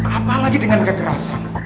apalagi dengan kekerasan